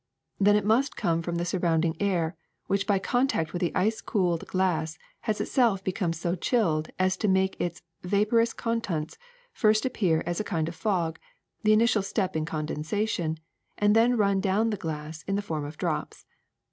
Then it must come from the surrounding air, which by contact with the ice cooled glass has itself become so chilled as to make its vaporous contents first appear as a kind of fog, the initial step in condensation, and then run down the glass in the form of drops.